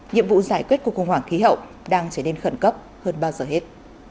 nhiệm vụ giải quyết cuộc khủng hoảng khí hậu đang trở nên khẩn cấp hơn bao giờ hết